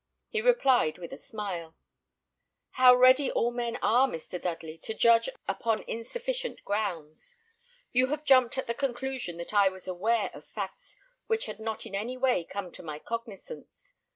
He replied, with a smile, "How ready all men are, Mr. Dudley, to judge upon insufficient grounds! You have jumped at the conclusion that I was aware of facts which had not in any way come to my cognizance.